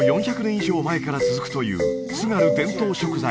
以上前から続くという津軽伝統食材